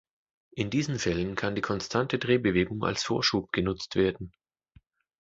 In diesen Fällen kann die konstante Drehbewegung als Vorschub genutzt werden.